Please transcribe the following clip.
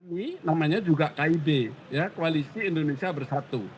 ini namanya juga kib ya koalisi indonesia bersatu